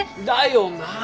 だよな！